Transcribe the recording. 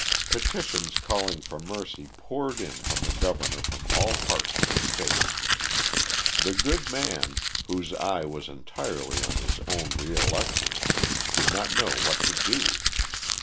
Petitions calling for mercy poured in on the governor from all parts of the State. The good man, whose eye was entirely on his own re election, did not know what to do.